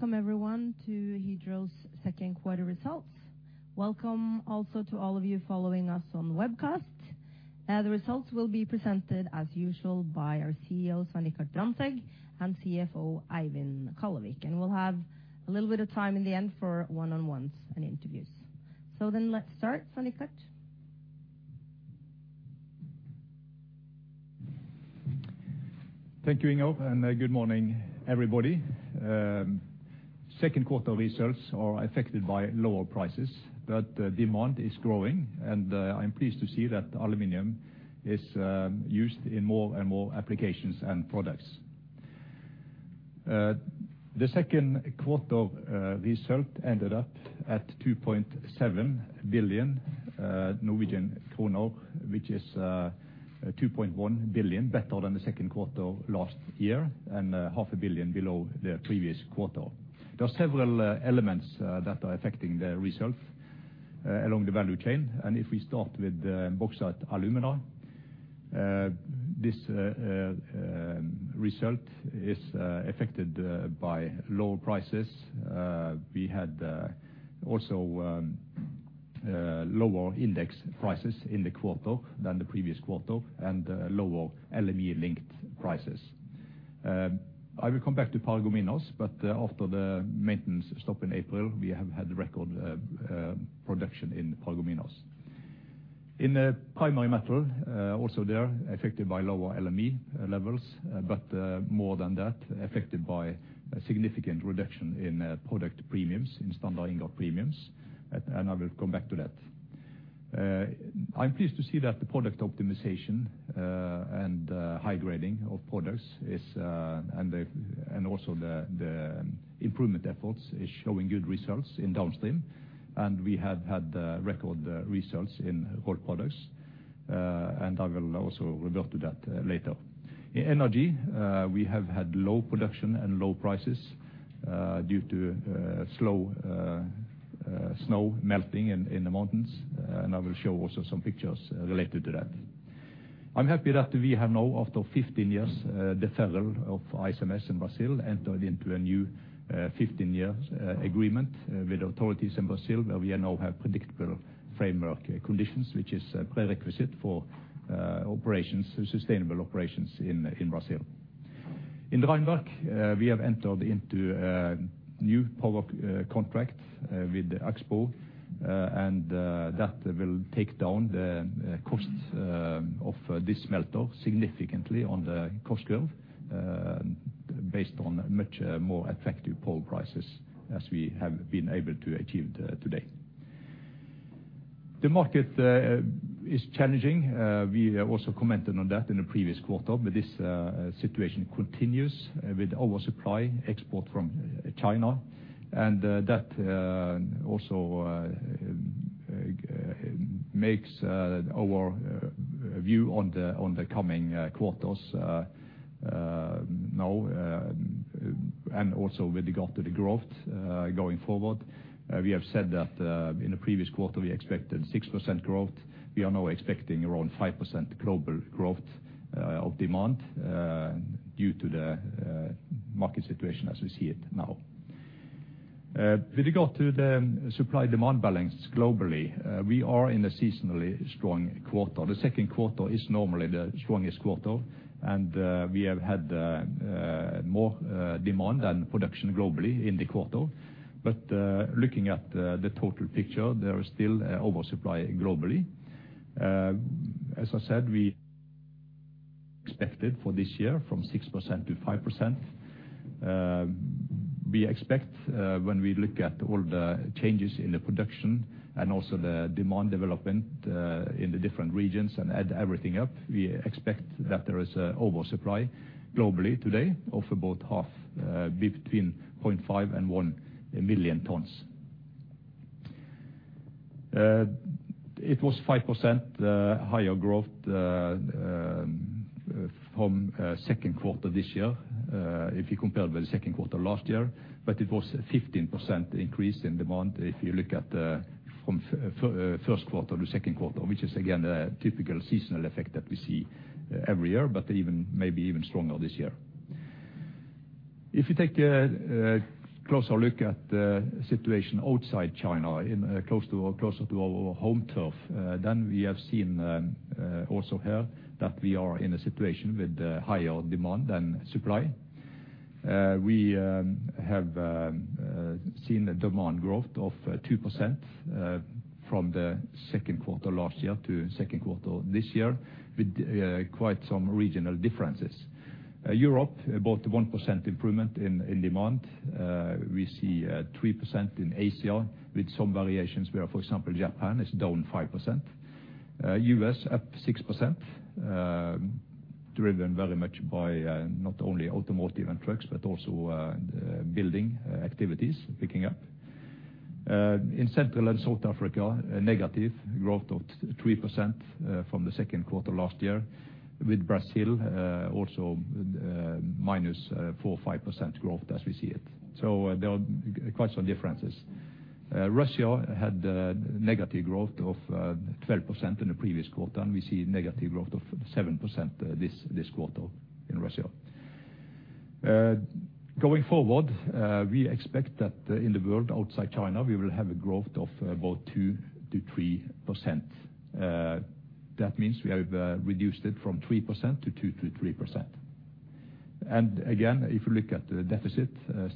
Welcome everyone to Hydro's second quarter results. Welcome also to all of you following us on webcast. The results will be presented as usual by our CEO, Svein Richard Brandtzæg, and CFO, Eivind Kallevik. We'll have a little bit of time in the end for one-on-ones and interviews. Let's start. Svein Richard? Thank you, Inger, and good morning, everybody. Second quarter results are affected by lower prices, but demand is growing, and I'm pleased to see that aluminum is used in more and more applications and products. The second quarter result ended up at 2.7 billion Norwegian kroner, which is 2.1 billion better than the second quarter last year, and half a billion below the previous quarter. There are several elements that are affecting the results along the value chain. If we start with Bauxite & Alumina, this result is affected by lower prices. We had also lower index prices in the quarter than the previous quarter and lower LME-linked prices. I will come back to Paragominas, but after the maintenance stop in April, we have had record production in Paragominas. In the Primary Metal, also there affected by lower LME levels, but more than that, affected by a significant reduction in product premiums, in standard ingot premiums, and I will come back to that. I'm pleased to see that the product optimization and high grading of products is, and also the improvement efforts is showing good results in downstream. We have had record results in Rolled Products, and I will also revert to that later. In energy, we have had low production and low prices due to slow snow melting in the mountains, and I will show also some pictures related to that. I'm happy that we have now, after 15 years deferral of ICMS in Brazil, entered into a new 15-year agreement with authorities in Brazil, where we now have predictable framework conditions, which is a prerequisite for operations, sustainable operations in Brazil. In Rheinwerk, we have entered into a new power contract with the Axpo, and that will take down the costs of this smelter significantly on the cost curve, based on much more effective power prices as we have been able to achieve today. The market is challenging. We have also commented on that in the previous quarter, but this situation continues with oversupply and export from China. That also makes our view on the coming quarters now and also with regard to the growth going forward. We have said that in the previous quarter, we expected 6% growth. We are now expecting around 5% global growth of demand due to the market situation as we see it now. With regard to the supply-demand balance globally, we are in a seasonally strong quarter. The second quarter is normally the strongest quarter, and we have had more demand than production globally in the quarter. Looking at the total picture, there is still oversupply globally. As I said, we expected for this year from 6%-5%. We expect, when we look at all the changes in the production and also the demand development in the different regions and add everything up, we expect that there is an oversupply globally today of about 500,000, between 0.5 and 1 million tons. It was 5% higher growth from second quarter this year, if you compare with the second quarter last year, but it was 15% increase in demand if you look at from first quarter to second quarter, which is again a typical seasonal effect that we see every year, but even, maybe even stronger this year. If you take a closer look at the situation outside China closer to our home turf, then we have seen also here that we are in a situation with higher demand than supply. We have seen a demand growth of 2% from the second quarter last year to second quarter this year with quite some regional differences. Europe, about 1% improvement in demand. We see 3% in Asia with some variations where, for example, Japan is down 5%. US up 6%, driven very much by not only automotive and trucks but also building activities picking up. In Central and South America, a negative growth of 3% from the second quarter last year, with Brazil also -4% or 5% growth as we see it. There are quite some differences. Russia had negative growth of 12% in the previous quarter, and we see negative growth of 7% this quarter in Russia. Going forward, we expect that in the world outside China, we will have a growth of about 2%-3%. That means we have reduced it from 3% to 2%-3%. Again, if you look at the deficit,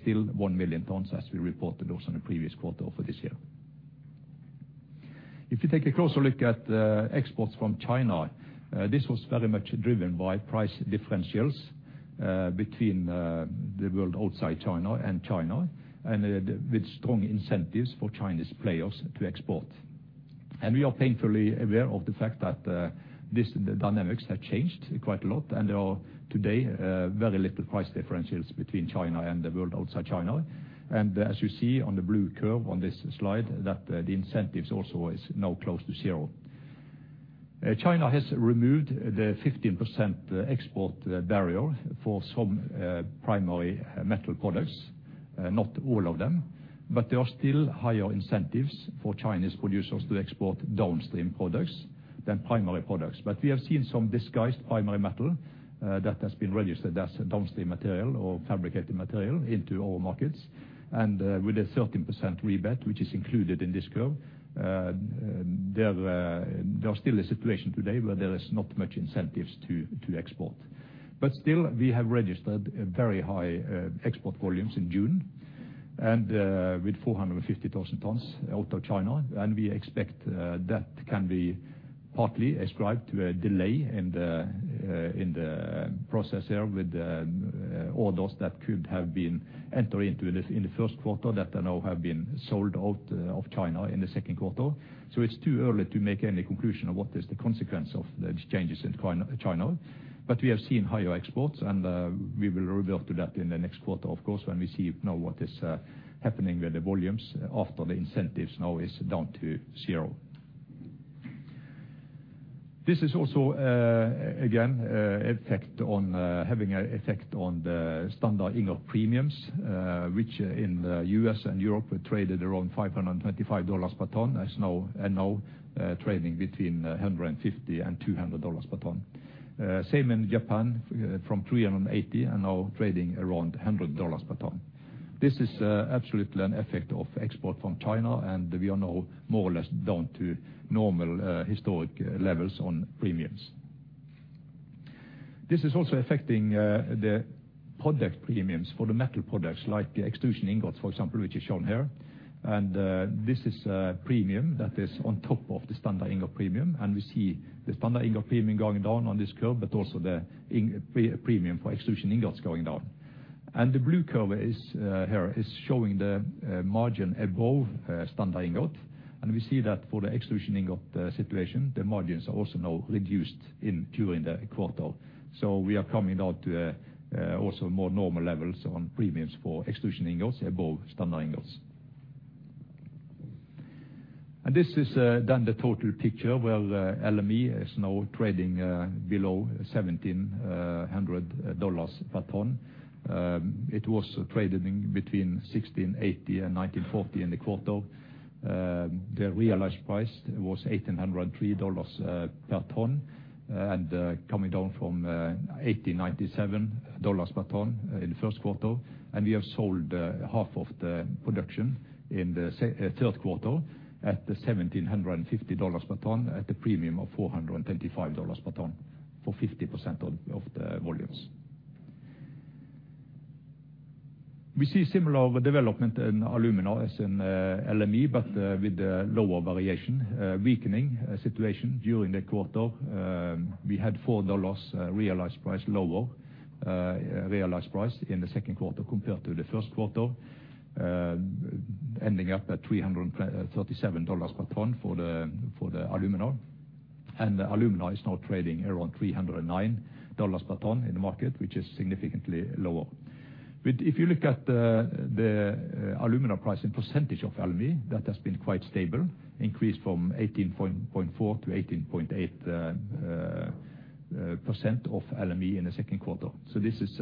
still 1 million tons as we reported also in the previous quarter for this year. If you take a closer look at exports from China, this was very much driven by price differentials between the world outside China and China, and with strong incentives for Chinese players to export. We are painfully aware of the fact that the dynamics have changed quite a lot, and there are today very little price differentials between China and the world outside China. As you see on the blue curve on this slide, the incentives also is now close to zero. China has removed the 15% export barrier for some primary metal products, not all of them. There are still higher incentives for Chinese producers to export downstream products than primary products. We have seen some disguised primary metal that has been registered as downstream material or fabricated material into our markets. With a 13% rebate which is included in this curve, there's still a situation today where there is not much incentives to export. Still, we have registered very high export volumes in June, and with 450,000 tons out of China, and we expect that can be partly ascribed to a delay in the process there with orders that could have been enter into this in the first quarter that now have been sold out of China in the second quarter. It's too early to make any conclusion of what is the consequence of these changes in China. We have seen higher exports, and we will reveal to that in the next quarter, of course, when we see now what is happening with the volumes after the incentives now is down to zero. This is also again having an effect on the standard ingot premiums, which in the US and Europe were traded around $525 per ton. That's now trading between $150 and $200 per ton. Same in Japan, from $380, and now trading around $100 per ton. This is absolutely an effect of export from China, and we are now more or less down to normal historic levels on premiums. This is also affecting the product premiums for the metal products like extrusion ingots, for example, which is shown here. This is a premium that is on top of the standard ingot premium, and we see the standard ingot premium going down on this curve, but also the premium for extrusion ingots going down. The blue curve here is showing the margin above standard ingot. We see that for the extrusion ingot situation, the margins are also now reduced during the quarter. We are coming down to also more normal levels on premiums for extrusion ingots above standard ingots. This is then the total picture where LME is now trading below $1,700 per ton. It was trading between $1,680 and $1,940 in the quarter. The realized price was $1,803 per ton, coming down from $1,897 per ton in the first quarter. We have sold half of the production in the third quarter at $1,750 per ton at a premium of $425 per ton for 50% of the volumes. We see similar development in alumina as in LME, but with lower variation, weakening situation during the quarter. We had four dollars realized price lower, realized price in the second quarter compared to the first quarter, ending up at $337 per ton for the alumina. The alumina is now trading around $309 per ton in the market, which is significantly lower. If you look at the alumina price in percentage of LME, that has been quite stable, increased from 18.4%-18.8% of LME in the second quarter. This is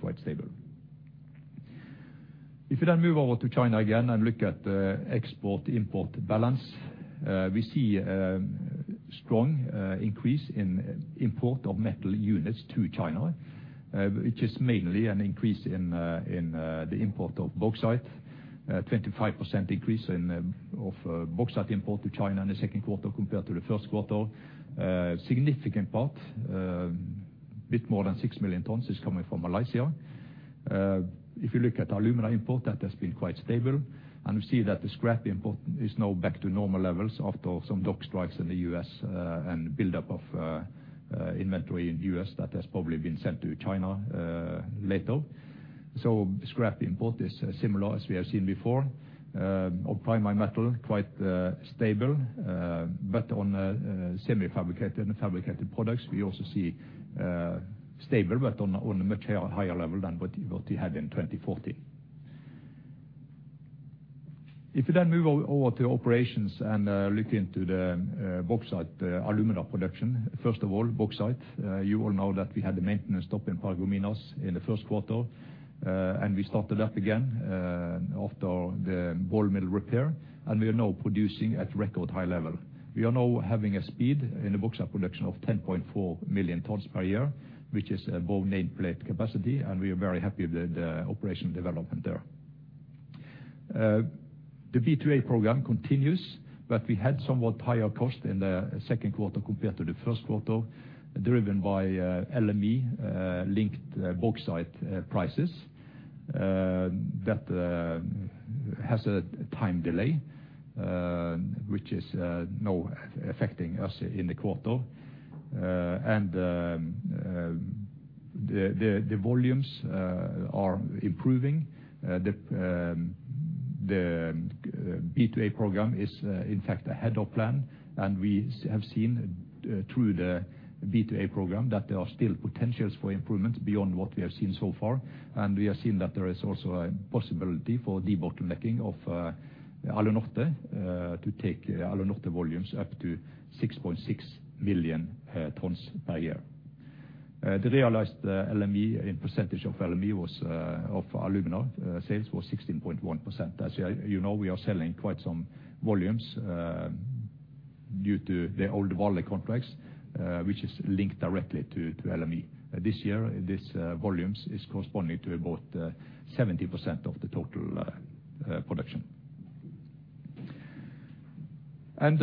quite stable. If you then move over to China again and look at export-import balance, we see strong increase in import of metal units to China, which is mainly an increase in the import of bauxite, 25% increase in bauxite import to China in the second quarter compared to the first quarter. A significant part, a bit more than 6 million tons, is coming from Malaysia. If you look at alumina import, that has been quite stable, and we see that the scrap import is now back to normal levels after some dock strikes in the U.S., and buildup of inventory in U.S. that has probably been sent to China later. Scrap import is similar as we have seen before. Our Primary Metal quite stable, but on semi-fabricated and fabricated products, we also see stable but on a much higher level than what we had in 2014. If you then move over to operations and look into the bauxite alumina production. First of all, bauxite, you all know that we had the maintenance stop in Paragominas in the first quarter. We started up again after the ball mill repair, and we are now producing at record high level. We are now having a speed in the bauxite production of 10.4 million tons per year, which is above nameplate capacity, and we are very happy with the operational development there. The B&A program continues, but we had somewhat higher cost in the second quarter compared to the first quarter, driven by LME linked bauxite prices that has a time delay, which is now affecting us in the quarter. The volumes are improving. The B&A program is in fact ahead of plan. We have seen through the B&A program that there are still potentials for improvement beyond what we have seen so far. We have seen that there is also a possibility for debottlenecking of Alunorte to take Alunorte volumes up to 6.6 million tons per year. The realized LME in percentage of LME was of alumina sales 16.1%. As you know, we are selling quite some volumes due to the old volume contracts which is linked directly to LME. This year these volumes is corresponding to about 70% of the total production. I'm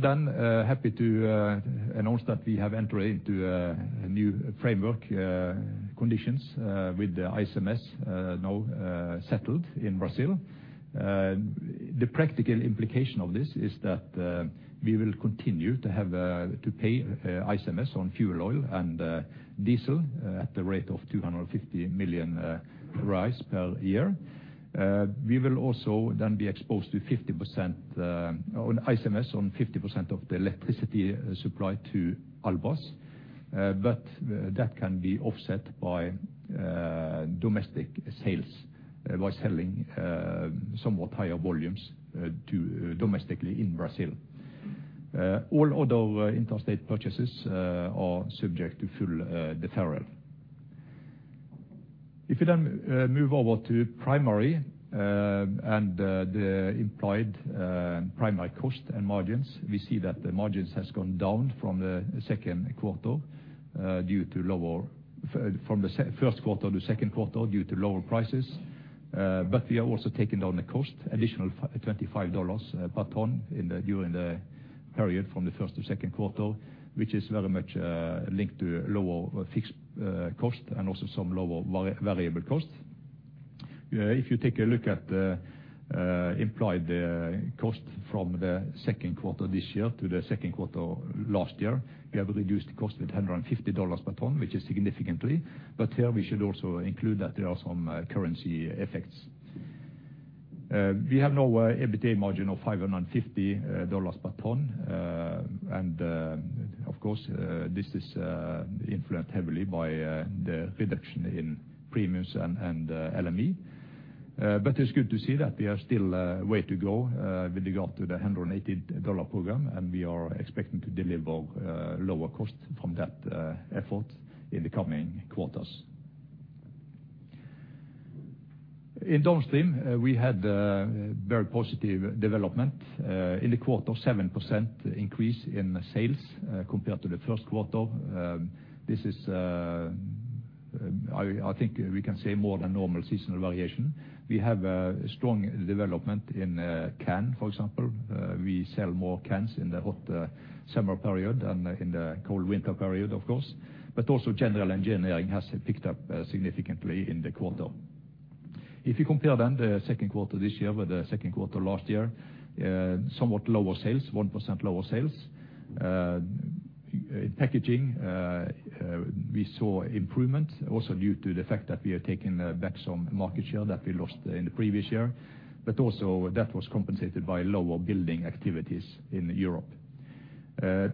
then happy to announce that we have entered into a new framework conditions with the ICMS now settled in Brazil. The practical implication of this is that we will continue to have to pay ICMS on fuel oil and diesel at the rate of 250 million per year. We will also then be exposed to 50% on ICMS on 50% of the electricity supplied to Albras. That can be offset by domestic sales by selling somewhat higher volumes to domestically in Brazil. All other interstate purchases are subject to full deferral. If you then move over to primary and the implied primary cost and margins, we see that the margins has gone down from the first quarter to second quarter due to lower prices. We have also taken down the cost by an additional $25 per ton during the period from the first to second quarter, which is very much linked to lower fixed cost and also some lower variable costs. If you take a look at implied cost from the second quarter this year to the second quarter last year, we have reduced cost by $150 per ton, which is significant. Here we should also include that there are some currency effects. We have now an EBITDA margin of $550 per ton. Of course, this is influenced heavily by the reduction in premiums and LME. It's good to see that we are still a ways to go with regard to the $180 program, and we are expecting to deliver lower costs from that effort in the coming quarters. In downstream, we had very positive development in the quarter, 7% increase in sales compared to the first quarter. This is, I think we can say more than normal seasonal variation. We have a strong development in can, for example. We sell more cans in the hot summer period than in the cold winter period, of course. Also General Engineering has picked up significantly in the quarter. If you compare then the second quarter this year with the second quarter last year, somewhat lower sales, 1% lower sales. Packaging, we saw improvement also due to the fact that we are taking back some market share that we lost in the previous year, but also that was compensated by lower building activities in Europe.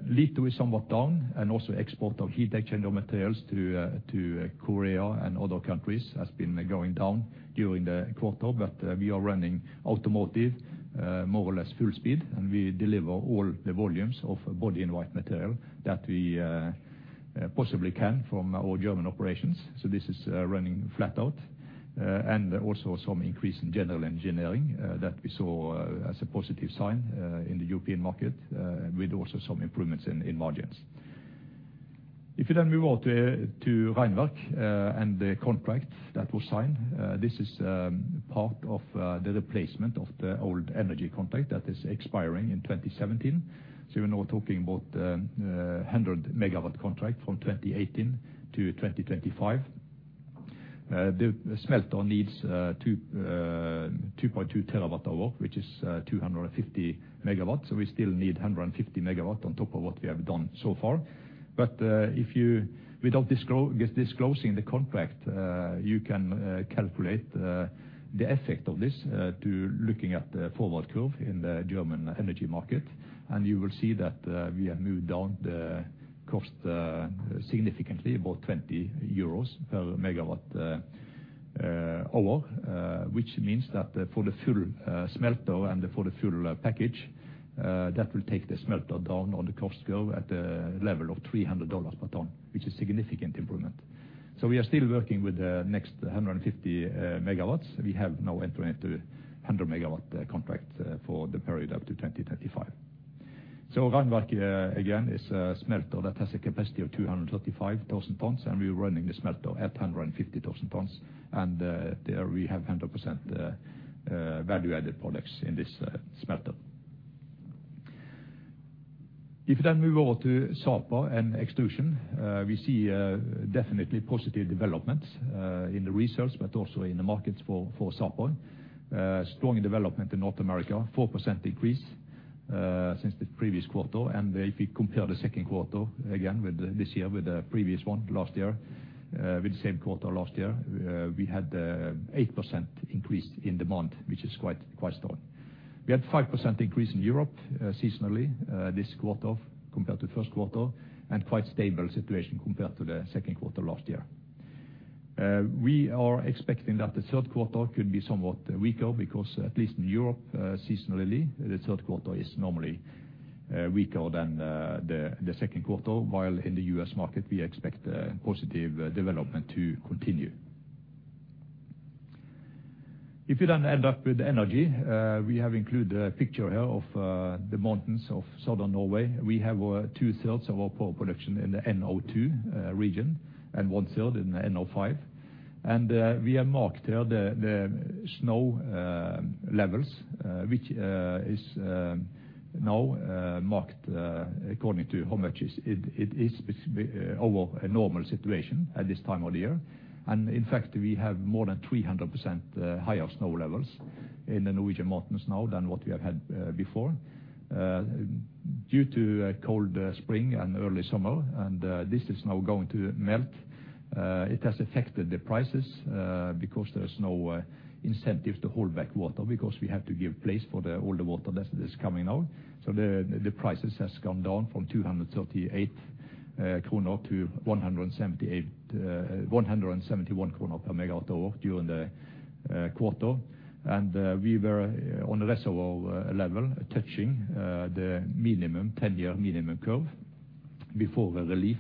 Litho is somewhat down, and also export of heat exchanger materials to Korea and other countries has been going down during the quarter. We are running automotive more or less full speed, and we deliver all the volumes of body in white material that we possibly can from our German operations. This is running flat out. We saw some increase in general engineering as a positive sign in the European market, with also some improvements in margins. If you then move on to Rheinwerk and the contract that was signed, this is part of the replacement of the old energy contract that is expiring in 2017. We're now talking about a 100 MW contract from 2018 to 2025. The smelter needs 2.2 TWh, which is 250 MW. We still need 150 MW on top of what we have done so far. If you, without disclosing the contract, you can calculate the effect of this by looking at the forward curve in the German energy market. You will see that we have moved down the cost significantly, about 20 euros per megawatt hour, which means that for the full smelter and for the full package that will take the smelter down on the cost curve at a level of $300 per ton. Which is significant improvement. We are still working with the next 150 megawatts. We have now entered into 100-megawatt contract for the period up to 2025. Rheinwerk again is a smelter that has a capacity of 235,000 tons, and we're running the smelter at 150,000 tons. There we have 100% value-added products in this smelter. If we then move over to Sapa and Extrusion, we see definitely positive developments in the results, but also in the markets for Sapa. Strong development in North America, 4% increase since the previous quarter. If we compare the second quarter again with this year, with the previous one last year, with the same quarter last year, we had 8% increase in demand, which is quite strong. We had 5% increase in Europe, seasonally this quarter compared to first quarter, and quite stable situation compared to the second quarter last year. We are expecting that the third quarter could be somewhat weaker because at least in Europe, seasonally, the third quarter is normally weaker than the second quarter, while in the U.S. market, we expect a positive development to continue. If we then end up with energy, we have included a picture here of the mountains of Southern Norway. We have two-thirds of our power production in the NO2 region and 1/3 in the NO5. We have marked here the snow levels, which is now marked according to how much it is over a normal situation at this time of the year. In fact, we have more than 300% higher snow levels in the Norwegian mountains now than what we have had before due to a cold spring and early summer, and this is now going to melt. It has affected the prices because there's no incentive to hold back water because we have to give place for all the water that is coming now. The prices has gone down from 238 kroner to 178, 171 per megawatt hour during the quarter. We were on a reservoir level touching the minimum, 10-year minimum curve before the relief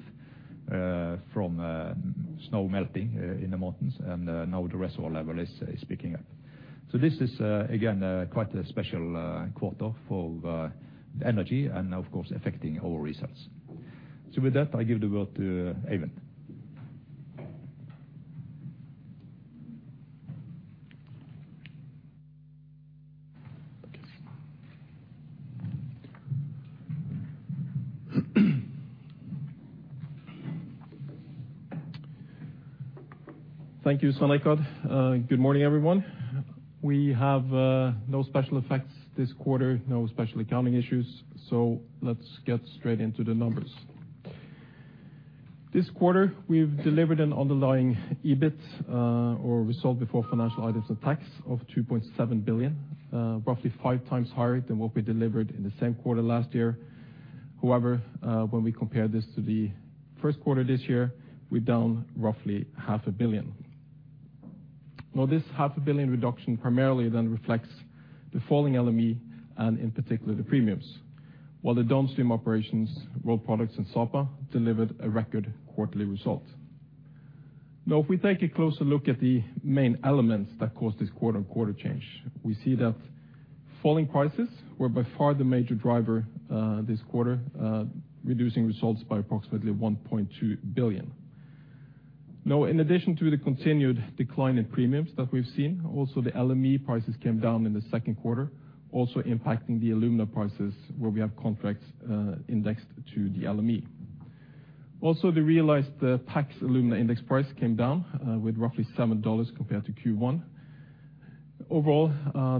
from snow melting in the mountains. Now the reservoir level is picking up. This is again quite a special quarter for energy and of course affecting our results. With that, I give the word to Eivind. Thank you, Svein Richard. Good morning, everyone. We have no special effects this quarter, no special accounting issues, so let's get straight into the numbers. This quarter, we've delivered an underlying EBIT, or result before financial items and tax, of 2.7 billion, roughly five times higher than what we delivered in the same quarter last year. However, when we compare this to the first quarter this year, we're down roughly 0.5 billion. Now, this 0.5 billion reduction primarily then reflects the falling LME, and in particular, the premiums. While the downstream operations, Rolled Products and Sapa, delivered a record quarterly result. Now, if we take a closer look at the main elements that caused this quarter-on-quarter change, we see that falling prices were by far the major driver, this quarter, reducing results by approximately 1.2 billion. Now, in addition to the continued decline in premiums that we've seen, also the LME prices came down in the second quarter, also impacting the alumina prices where we have contracts, indexed to the LME. Also, the realized PAX alumina index price came down, with roughly $7 compared to Q1. Overall,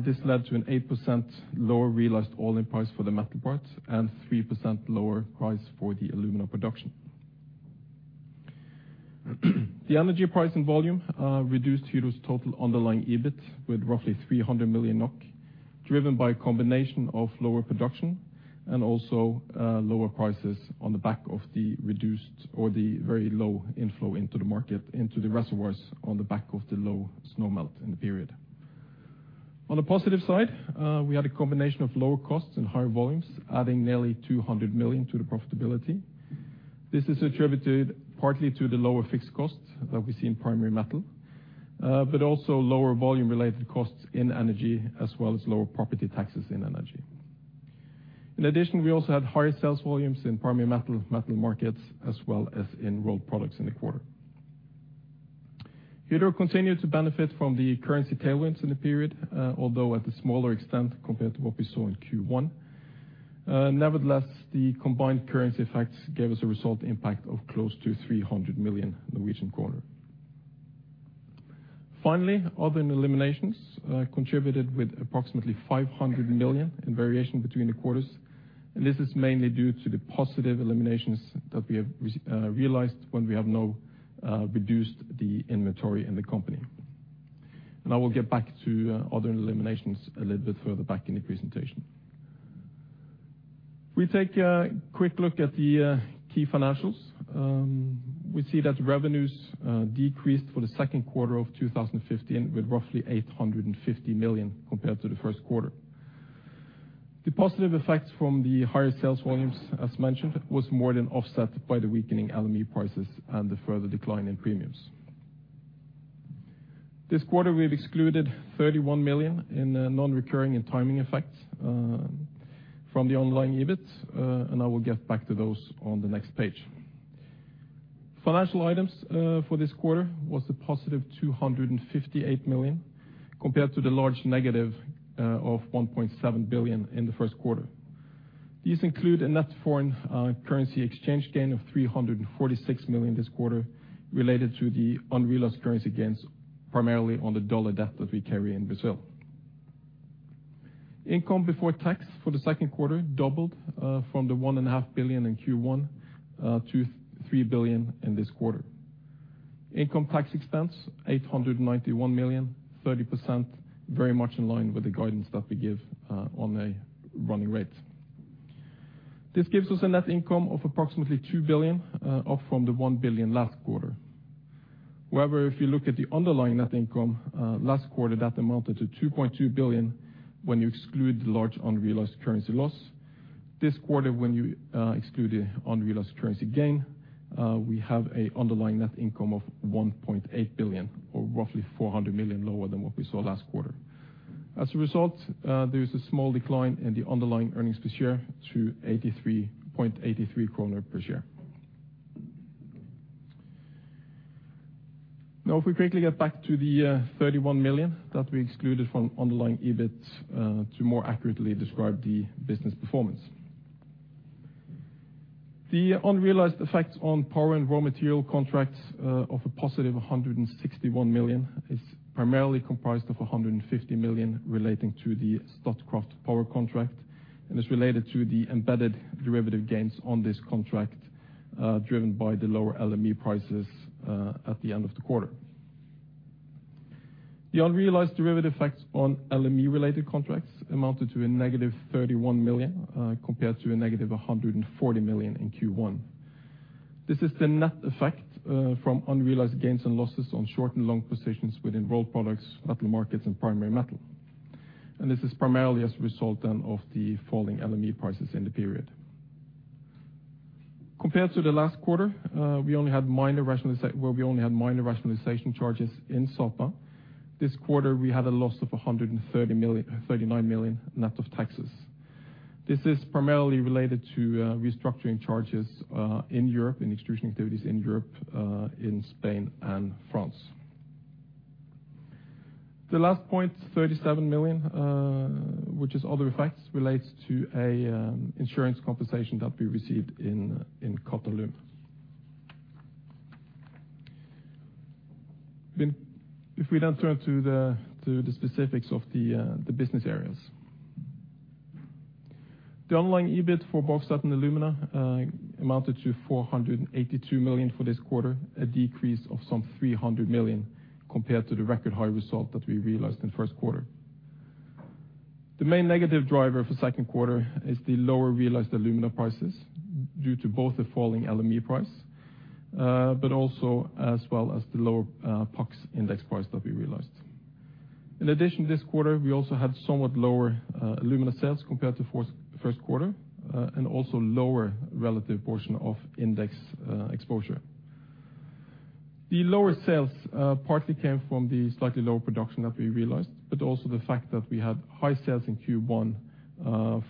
this led to an 8% lower realized all-in price for the Metal Markets and 3% lower price for the alumina production. The energy price and volume reduced Hydro's total underlying EBIT with roughly 300 million NOK, driven by a combination of lower production and also, lower prices on the back of the reduced or the very low inflow into the market, into the reservoirs on the back of the low snow melt in the period. On the positive side, we had a combination of lower costs and higher volumes, adding nearly 200 million to the profitability. This is attributed partly to the lower fixed costs that we see in Primary Metal, but also lower volume-related costs in Energy, as well as lower property taxes in Energy. In addition, we also had higher sales volumes in Primary Metal Markets, as well as in Rolled Products in the quarter. Hydro continued to benefit from the currency tailwinds in the period, although at a smaller extent compared to what we saw in Q1. Nevertheless, the combined currency effects gave us a result impact of close to 300 million Norwegian kroner. Finally, other eliminations contributed with approximately 500 million in variation between the quarters. This is mainly due to the positive eliminations that we have realized when we have now reduced the inventory in the company. I will get back to other eliminations a little bit further back in the presentation. If we take a quick look at the key financials, we see that revenues decreased for the second quarter of 2015 with roughly 850 million compared to the first quarter. The positive effects from the higher sales volumes, as mentioned, was more than offset by the weakening LME prices and the further decline in premiums. This quarter, we have excluded 31 million in non-recurring and timing effects from the underlying EBIT, and I will get back to those on the next page. Financial items for this quarter was a positive 258 million compared to the large negative of 1.7 billion in the first quarter. These include a net foreign currency exchange gain of 346 million this quarter related to the unrealized currency gains, primarily on the dollar debt that we carry in Brazil. Income before tax for the second quarter doubled from the 1.5 billion in Q1 to 3 billion in this quarter. Income tax expense, 891 million, 30%, very much in line with the guidance that we give on a running rate. This gives us a net income of approximately 2 billion, up from the 1 billion last quarter. However, if you look at the underlying net income last quarter, that amounted to 2.2 billion when you exclude the large unrealized currency loss. This quarter, when you exclude the unrealized currency gain, we have an underlying net income of 1.8 billion or roughly 400 million lower than what we saw last quarter. As a result, there is a small decline in the underlying earnings per share to 83.83 kroner per share. Now if we quickly get back to the 31 million that we excluded from underlying EBIT to more accurately describe the business areas. The unrealized effects on power and raw material contracts of a positive 161 million is primarily comprised of 150 million relating to the Statkraft power contract and is related to the embedded derivative gains on this contract, driven by the lower LME prices at the end of the quarter. The unrealized derivative effects on LME-related contracts amounted to a -31 million, compared to a -140 million in Q1. This is the net effect from unrealized gains and losses on short and long positions within Rolled Products, Metal Markets and Primary Metal. This is primarily as a result then of the falling LME prices in the period. Compared to the last quarter, we only had minor rationalization charges in Sapa. This quarter, we had a loss of 130 million, 39 million net of taxes. This is primarily related to restructuring charges in Europe, in extrusion activities in Europe, in Spain and France. The last point, 37 million, which is other effects, relates to a insurance compensation that we received in Qatalum. If we now turn to the specifics of the business areas. The underlying EBIT for bauxite and alumina amounted to 482 million for this quarter, a decrease of some 300 million compared to the record high result that we realized in the first quarter. The main negative driver for second quarter is the lower realized alumina prices due to both the falling LME price, but also as well as the lower PAX index price that we realized. In addition, this quarter, we also had somewhat lower alumina sales compared to first quarter, and also lower relative portion of index exposure. The lower sales partly came from the slightly lower production that we realized, but also the fact that we had high sales in Q1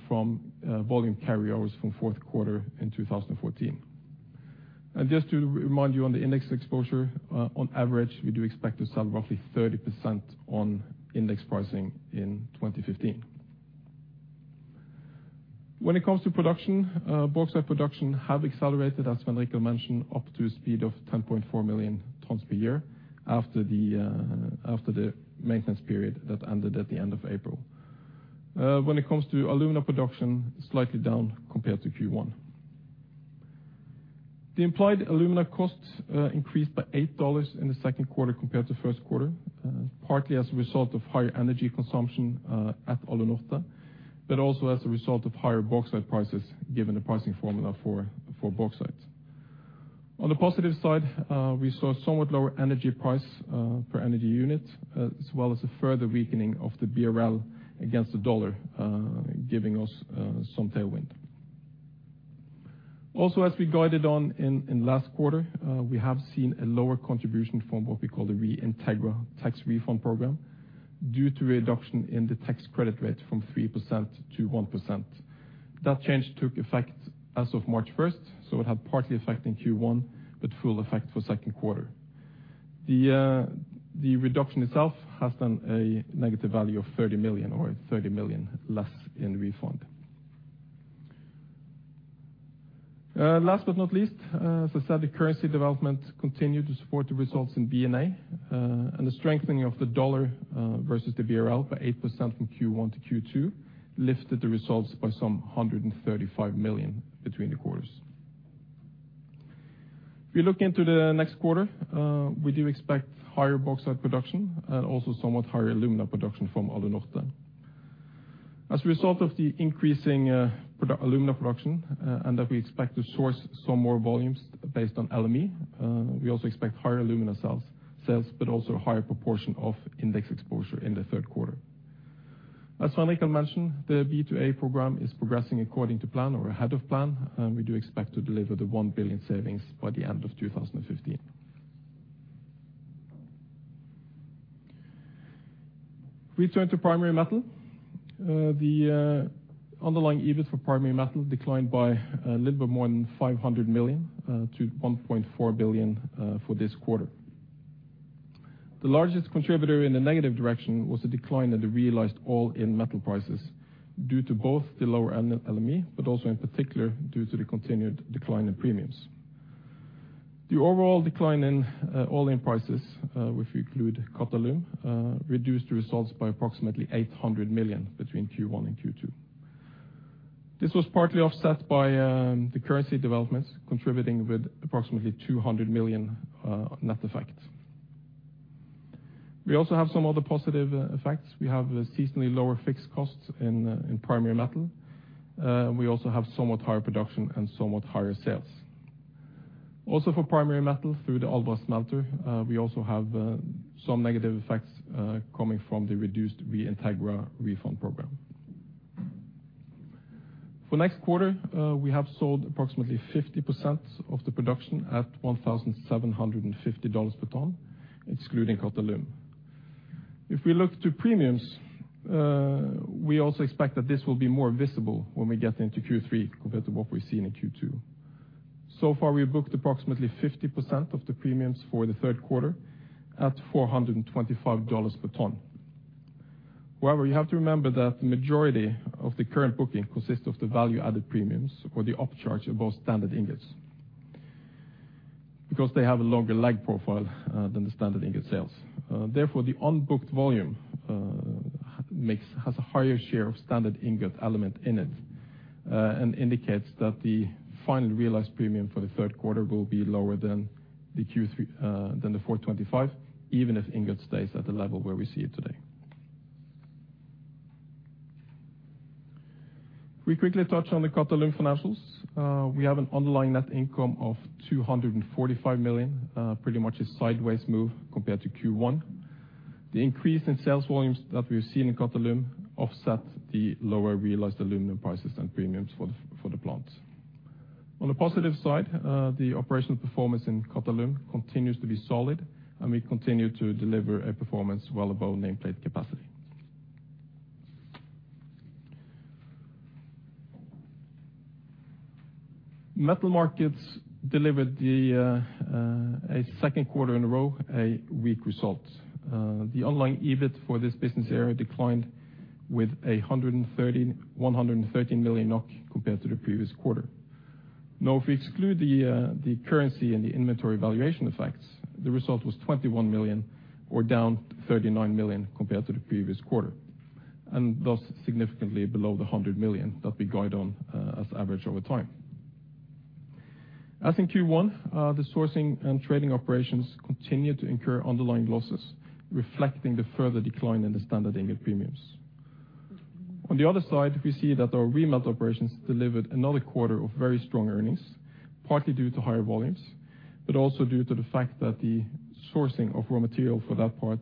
from volume carryovers from fourth quarter in 2014. Just to remind you on the index exposure, on average, we do expect to sell roughly 30% on index pricing in 2015. When it comes to production, bauxite production have accelerated, as Svein mentioned, up to a speed of 10.4 million tons per year after the maintenance period that ended at the end of April. When it comes to alumina production, slightly down compared to Q1. The implied alumina costs increased by $8 in the second quarter compared to first quarter, partly as a result of higher energy consumption at Alunorte, but also as a result of higher bauxite prices given the pricing formula for bauxite. On the positive side, we saw somewhat lower energy price per energy unit, as well as a further weakening of the BRL against the dollar, giving us some tailwind. Also, as we guided on in last quarter, we have seen a lower contribution from what we call the Reintegra tax refund program due to a reduction in the tax credit rate from 3% to 1%. That change took effect as of March first, so it had partly effect in Q1 but full effect for second quarter. The reduction itself has then a negative value of 30 million or 30 million less in refund. Last but not least, as I said, the currency development continued to support the results in B&A, and the strengthening of the dollar versus the BRL by 8% from Q1 to Q2 lifted the results by some 135 million between the quarters. If you look into the next quarter, we do expect higher bauxite production and also somewhat higher alumina production from Alunorte. As a result of the increasing alumina production, and that we expect to source some more volumes based on LME, we also expect higher alumina sales, but also a higher proportion of index exposure in the third quarter. As Svein mentioned, the B&A program is progressing according to plan or ahead of plan. We do expect to deliver 1 billion savings by the end of 2015. We turn to Primary Metal. The underlying EBIT for Primary Metal declined by a little bit more than 500 million to 1.4 billion for this quarter. The largest contributor in the negative direction was the decline in the realized all-in metal prices due to both the lower LME, but also in particular, due to the continued decline in premiums. The overall decline in all-in prices, which include Qatalum, reduced the results by approximately 800 million between Q1 and Q2. This was partly offset by the currency developments contributing with approximately 200 million net effect. We also have some other positive effects. We have seasonally lower fixed costs in Primary Metal. We also have somewhat higher production and somewhat higher sales. Also for Primary Metal through the Alunorte, we also have some negative effects coming from the reduced Reintegra refund program. For next quarter, we have sold approximately 50% of the production at $1,750 per ton, excluding Qatalum. If we look to premiums, we also expect that this will be more visible when we get into Q3 compared to what we see in Q2. So far, we have booked approximately 50% of the premiums for the third quarter at $425 per ton. However, you have to remember that the majority of the current booking consists of the value-added premiums or the upcharge of both standard ingots. Because they have a longer lag profile than the standard ingot sales. Therefore, the unbooked volume has a higher share of standard ingot element in it and indicates that the final realized premium for the third quarter will be lower than the Q3, than the 425, even if ingot stays at the level where we see it today. We quickly touch on the Qatalum financials. We have an underlying net income of 245 million, pretty much a sideways move compared to Q1. The increase in sales volumes that we've seen in Qatalum offset the lower realized aluminum prices and premiums for the plant. On the positive side, the operational performance in Qatalum continues to be solid, and we continue to deliver a performance well above nameplate capacity. Metal Markets delivered a second quarter in a row, a weak result. The underlying EBIT for this business area declined with 113 million NOK compared to the previous quarter. Now, if we exclude the currency and the inventory valuation effects, the result was 21 million or down 39 million compared to the previous quarter, and thus significantly below 100 million that we guide on as average over time. As in Q1, the sourcing and trading operations continued to incur underlying losses, reflecting the further decline in the standard ingot premiums. On the other side, we see that our remelt operations delivered another quarter of very strong earnings, partly due to higher volumes, but also due to the fact that the sourcing of raw material for that part,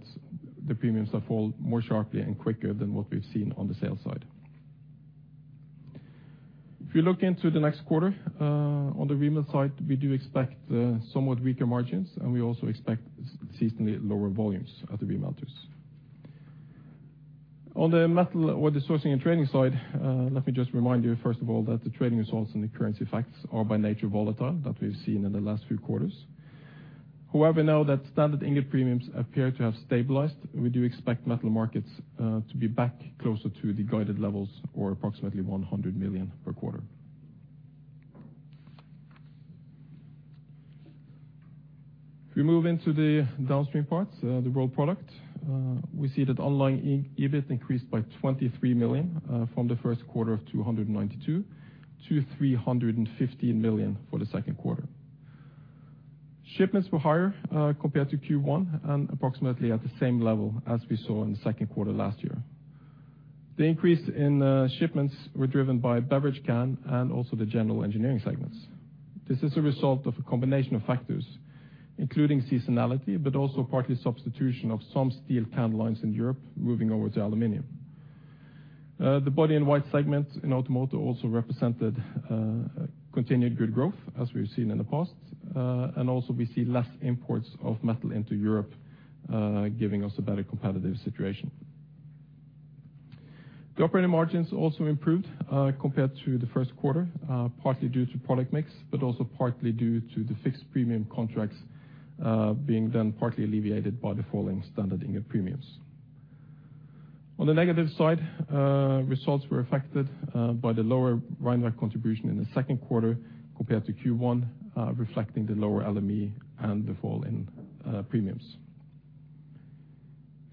the premiums have fallen more sharply and quicker than what we've seen on the sales side. If you look into the next quarter, on the remelt side, we do expect somewhat weaker margins, and we also expect seasonally lower volumes at the remelters. On the metal or the sourcing and trading side, let me just remind you, first of all, that the trading results and the currency effects are by nature volatile, that we've seen in the last few quarters. However, now that standard ingot premiums appear to have stabilized, we do expect Metal Markets to be back closer to the guided levels or approximately 100 million per quarter. If we move into the downstream parts, the Rolled Products, we see that underlying EBIT increased by 23 million from the first quarter of 292 million to 315 million for the second quarter. Shipments were higher, compared to Q1 and approximately at the same level as we saw in the second quarter last year. The increase in shipments were driven by beverage can and also the General Engineering segments. This is a result of a combination of factors, including seasonality, but also partly substitution of some steel can lines in Europe moving over to aluminum. The body in white segment in automotive also represented, continued good growth as we've seen in the past. We see less imports of metal into Europe, giving us a better competitive situation. The operating margins also improved, compared to the first quarter, partly due to product mix, but also partly due to the fixed premium contracts, being then partly alleviated by the falling standard ingot premiums. On the negative side, results were affected by the lower Rheinwerk contribution in the second quarter compared to Q1, reflecting the lower LME and the fall in premiums.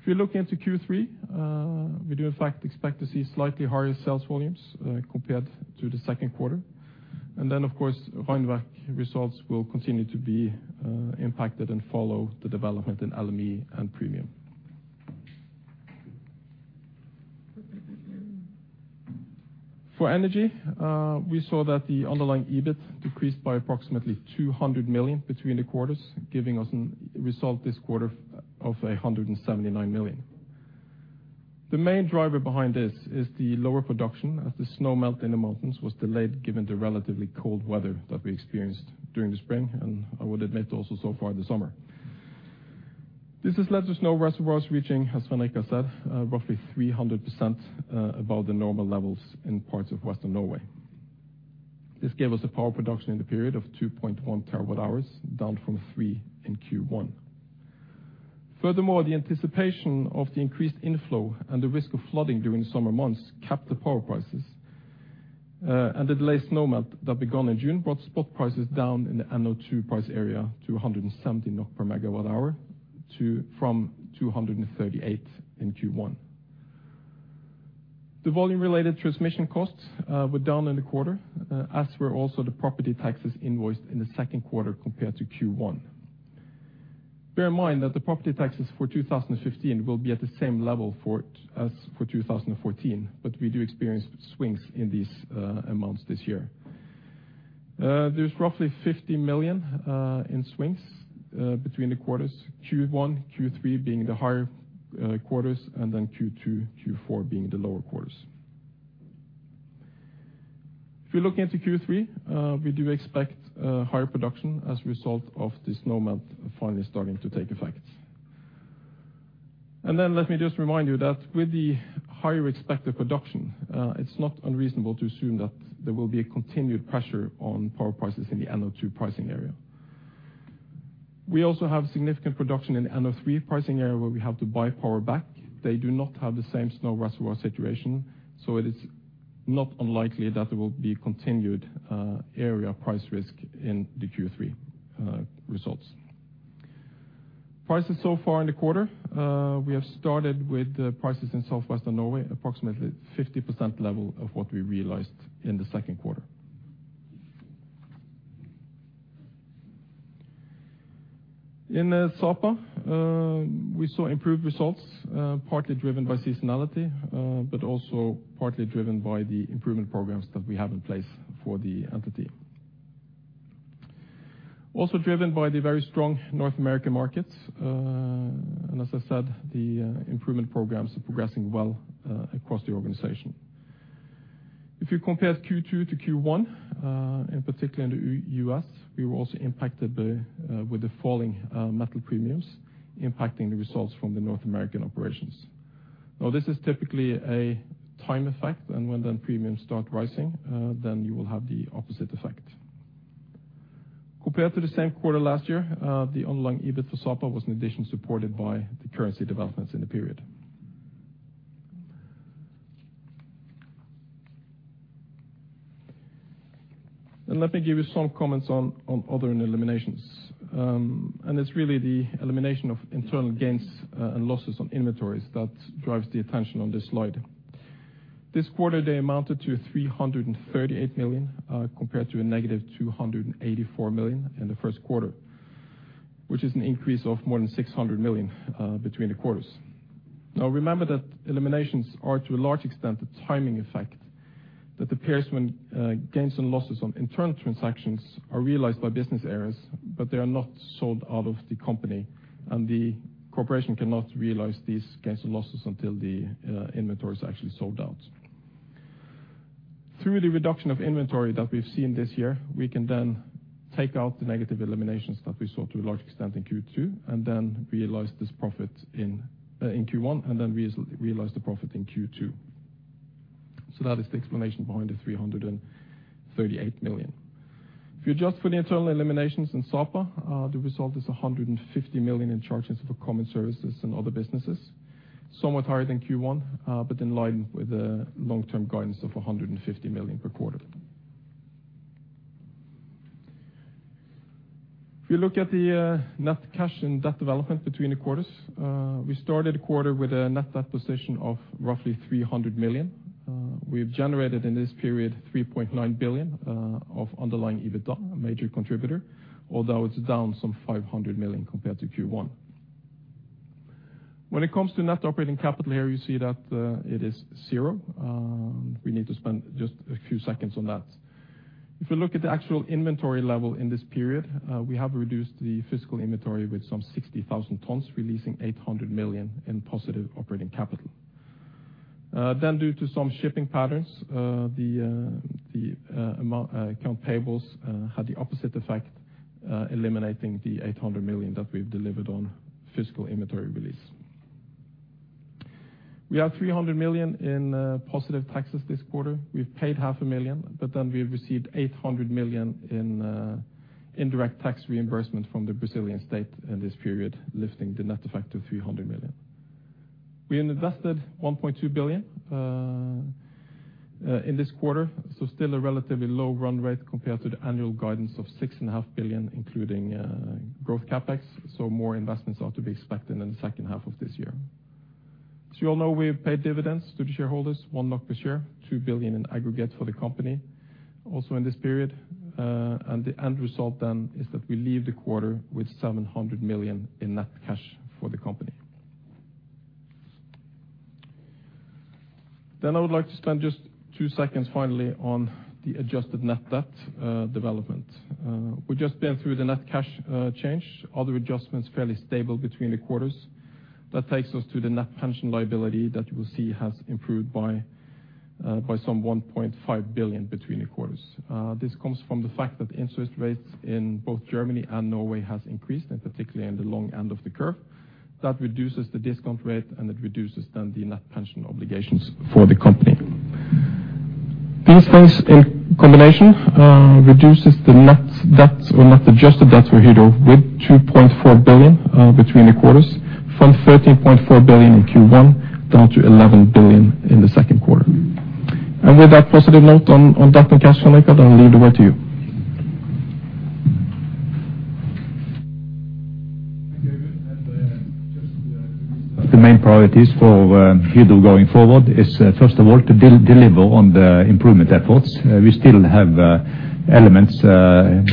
If you look into Q3, we do in fact expect to see slightly higher sales volumes compared to the second quarter. Of course, Rheinwerk results will continue to be impacted and follow the development in LME and premium. For energy, we saw that the underlying EBIT decreased by approximately 200 million between the quarters, giving us a result this quarter of 179 million. The main driver behind this is the lower production as the snow melt in the mountains was delayed given the relatively cold weather that we experienced during the spring, and I would admit also so far this summer. This has led to snow reservoirs reaching, as Svein Richard has said, roughly 300% above the normal levels in parts of Western Norway. This gave us a power production in the period of 2.1 TWh, down from 3 in Q1. Furthermore, the anticipation of the increased inflow and the risk of flooding during the summer months capped the power prices. The delayed snow melt that began in June brought spot prices down in the NO2 price area to 170 NOK per MWh from 238 in Q1. The volume-related transmission costs were down in the quarter, as were also the property taxes invoiced in the second quarter compared to Q1. Bear in mind that the property taxes for 2015 will be at the same level as for 2014, but we do experience swings in these amounts this year. There's roughly 50 million in swings between the quarters, Q1, Q3 being the higher quarters, and then Q2, Q4 being the lower quarters. If you're looking into Q3, we do expect higher production as a result of the snow melt finally starting to take effect. Let me just remind you that with the higher expected production, it's not unreasonable to assume that there will be a continued pressure on power prices in the NO2 pricing area. We also have significant production in NO3 pricing area where we have to buy power back. They do not have the same snow reservoir situation, so it is not unlikely that there will be continued area price risk in the Q3 results. Prices so far in the quarter, we have started with the prices in Southwestern Norway approximately 50% level of what we realized in the second quarter. In Sapa, we saw improved results, partly driven by seasonality, but also partly driven by the improvement programs that we have in place for the entity. Also driven by the very strong North American markets, and as I said, the improvement programs are progressing well across the organization. If you compare Q2 to Q1, in particular in the U.S., we were also impacted by with the falling metal premiums impacting the results from the North American operations. This is typically a time effect, and when premiums start rising, then you will have the opposite effect. Compared to the same quarter last year, the underlying EBIT for Sapa was in addition supported by the currency developments in the period. Let me give you some comments on other eliminations. It's really the elimination of internal gains and losses on inventories that drives the attention on this slide. This quarter, they amounted to 338 million, compared to a -284 million in the first quarter, which is an increase of more than 600 million between the quarters. Now remember that eliminations are to a large extent the timing effect, that appears when gains and losses on internal transactions are realized by business areas, but they are not sold out of the company. The corporation cannot realize these gains and losses until the inventory is actually sold out. Through the reduction of inventory that we've seen this year, we can then take out the negative eliminations that we saw to a large extent in Q2, and then realize this profit in Q1, and then realize the profit in Q2. That is the explanation behind the 338 million. If you adjust for the internal eliminations in Sapa, the result is 150 million in charges for common services and other businesses. Somewhat higher than Q1, but in line with the long-term guidance of 150 million per quarter. If you look at the net cash and debt development between the quarters, we started the quarter with a net debt position of roughly 300 million. We've generated in this period 3.9 billion of underlying EBITDA, a major contributor, although it's down some 500 million compared to Q1. When it comes to net operating capital here, you see that it is zero. We need to spend just a few seconds on that. If you look at the actual inventory level in this period, we have reduced the physical inventory with some 60,000 tons, releasing 800 million in positive operating capital. Due to some shipping patterns, the accounts payable had the opposite effect, eliminating the 800 million that we've delivered on physical inventory release. We have 300 million in positive taxes this quarter. We've paid half a million NOK, but then we have received 800 million in indirect tax reimbursement from the Brazilian state in this period, lifting the net effect to 300 million. We invested 1.2 billion in this quarter, so still a relatively low run rate compared to the annual guidance of 6.5 billion, including growth CapEx, so more investments are to be expected in the second half of this year. As you all know, we have paid dividends to the shareholders, 1 per share, 2 billion in aggregate for the company. Also in this period, and the end result then is that we leave the quarter with 700 million in net cash for the company. I would like to spend just two seconds finally on the adjusted net debt development. We've just been through the net cash change. Other adjustments fairly stable between the quarters. That takes us to the net pension liability that you will see has improved by some 1.5 billion between the quarters. This comes from the fact that interest rates in both Germany and Norway has increased, and particularly in the long end of the curve. That reduces the discount rate, and it reduces then the net pension obligations for the company. These things in combination reduces the net debt or net adjusted debt for Hydro with 2.4 billion between the quarters, from 13.4 billion in Q1 down to 11 billion in the second quarter. With that positive note on that financial record, I'll leave the word to you. Thank you, Eivind. Just to restart. The main priorities for Hydro going forward is first of all to deliver on the improvement efforts. We still have elements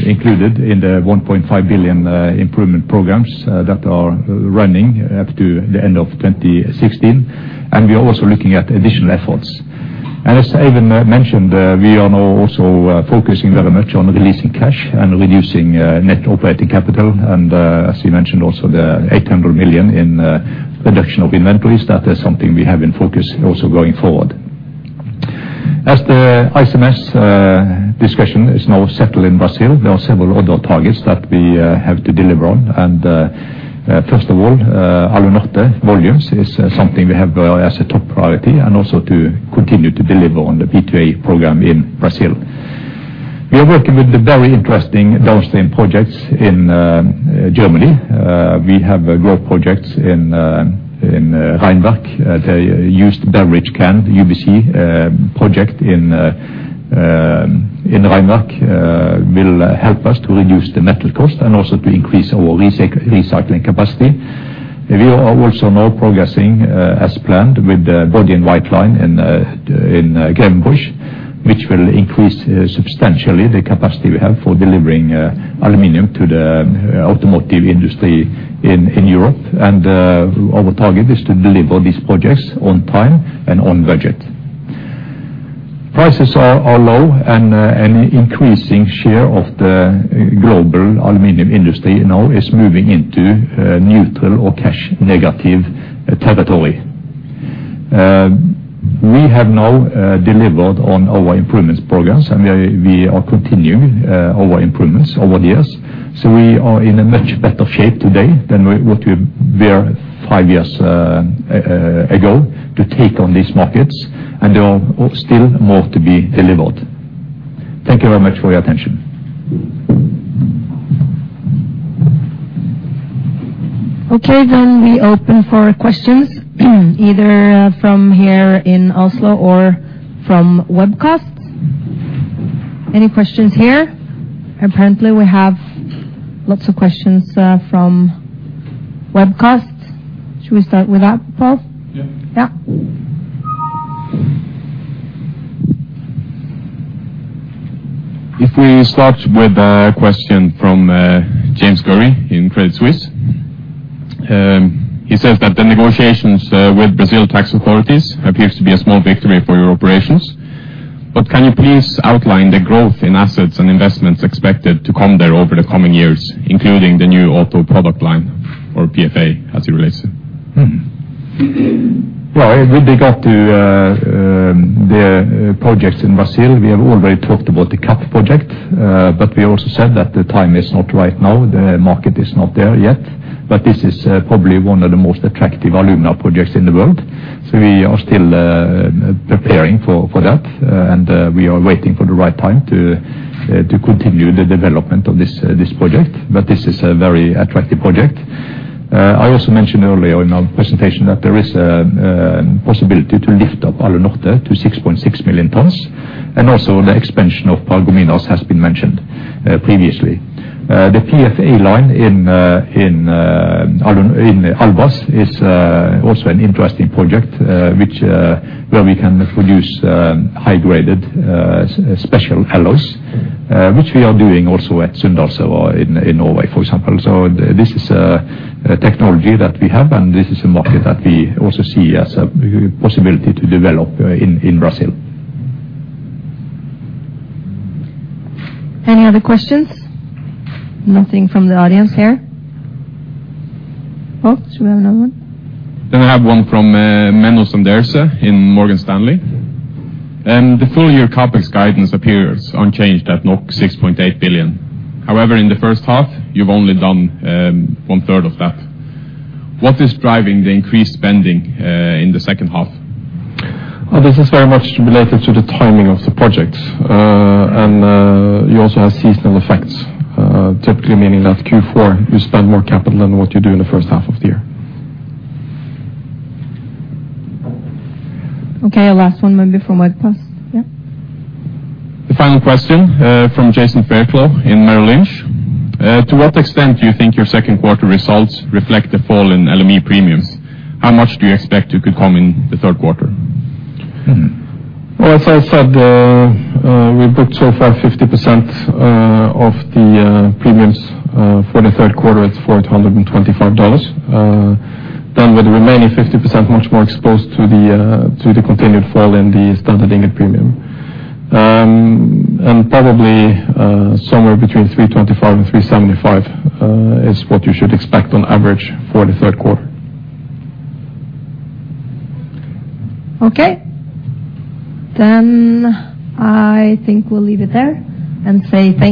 included in the 1.5 billion improvement programs that are running up to the end of 2016. We are also looking at additional efforts. As Eivind mentioned, we are now also focusing very much on releasing cash and reducing net operating capital. As you mentioned, also the 800 million in reduction of inventories, that is something we have in focus also going forward. As the ICMS discussion is now settled in Brazil, there are several other targets that we have to deliver on. First of all, Alunorte volumes is something we have as a top priority and also to continue to deliver on the P2A program in Brazil. We are working with the very interesting downstream projects in Germany. We have growth projects in Neuss at a used beverage can, UBC, project in Neuss will help us to reduce the metal cost and also to increase our recycling capacity. We are also now progressing as planned with the body in white line in Grevenbroich, which will increase substantially the capacity we have for delivering aluminum to the automotive industry in Europe. Our target is to deliver these projects on time and on budget. Prices are low and an increasing share of the global aluminum industry now is moving into neutral or cash negative territory. We have now delivered on our improvements programs, and we are continuing our improvements over the years. We are in a much better shape today than what we were five years ago to take on these markets, and there are still more to be delivered. Thank you very much for your attention. Okay, we open for questions, either from here in Oslo or from webcast. Any questions here? Apparently, we have lots of questions from webcast. Should we start with that, Paul? Yeah. Yeah. If we start with a question from James Gurry in Credit Suisse. He says that the negotiations with Brazil tax authorities appears to be a small victory for your operations. Can you please outline the growth in assets and investments expected to come there over the coming years, including the new auto product line or PFA as he relates to? Well, with regard to the projects in Brazil, we have already talked about the CAP project. We also said that the time is not right now, the market is not there yet. This is probably one of the most attractive alumina projects in the world. We are still preparing for that, and we are waiting for the right time to continue the development of this project. This is a very attractive project. I also mentioned earlier in our presentation that there is a possibility to lift up Alunorte to 6.6 million tons, and also the expansion of Paragominas has been mentioned previously. The PFA line in Albras is also an interesting project, which, where we can produce high-graded special alloys, which we are doing also at Sunndalsøra in Norway, for example. This is a technology that we have, and this is a market that we also see as a possibility to develop in Brazil. Any other questions? Nothing from the audience here. Paul, do you have another one? I have one from Menno Sanderse in Morgan Stanley. The full year CapEx guidance appears unchanged at 6.8 billion. However, in the first half, you've only done one-third of that. What is driving the increased spending in the second half? This is very much related to the timing of the projects. You also have seasonal effects, typically meaning that Q4 you spend more capital than what you do in the first half of the year. Okay, last one maybe from webcast. Yeah. The final question from Jason Fairclough in Merrill Lynch. To what extent do you think your second quarter results reflect the fall in LME premiums? How much do you expect it could come in the third quarter? Well, as I said, we booked so far 50% of the premiums for the third quarter at $424. With the remaining 50% much more exposed to the continued fall in the standard premium. Probably somewhere between $325 and $375 is what you should expect on average for the third quarter. Okay. I think we'll leave it there and say thank you.